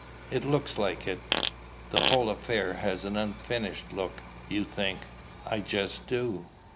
"It looks like it." "The whole affair has an unfinished look, you think?" "I just do."